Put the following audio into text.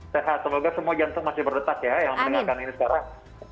sehat semoga semua jantung masih berdetak ya yang mendengarkan ini sekarang